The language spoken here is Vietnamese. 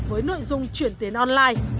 với nội dung chuyển tiền online